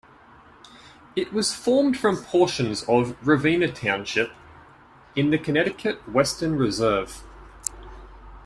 It was formed from portions of Ravenna Township in the Connecticut Western Reserve.